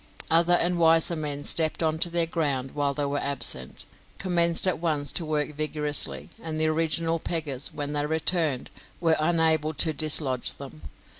Other and wiser men stepped on to their ground while they were absent, commenced at once to work vigorously, and the original peggers, when they returned, were unable to dislodge them.